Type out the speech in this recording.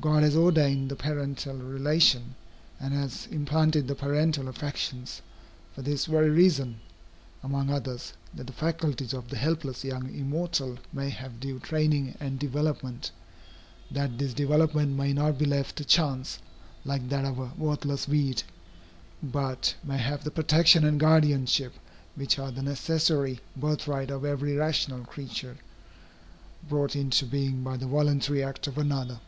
God has ordained the parental relation, and has implanted the parental affections, for this very reason, among others, that the faculties of the helpless young immortal may have due training and development, that this development may not be left to chance, like that of a worthless weed, but may have the protection and guardianship which are the necessary birthright of every rational creature brought into being by the voluntary act of another.